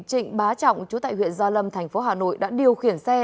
trịnh bá trọng chú tại huyện gia lâm thành phố hà nội đã điều khiển xe